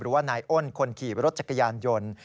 ว่านายอ้นคนขี่รถจักรยานยนต์